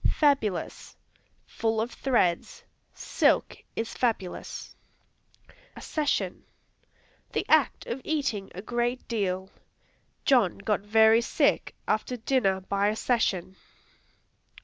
Fabulous Full of threads; "Silk is fabulous." Accession The act of eating a great deal; "John got very sick after dinner by accession."